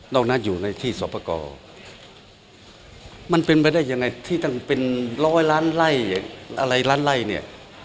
เรามันนัดอยู่ในที่สวพกรมันเป็นไปได้ยังไงที่ก็เป็นร้อยล้านไร่อะไรล้านไร่เนี่ย